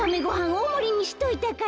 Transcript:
おおもりにしといたから」。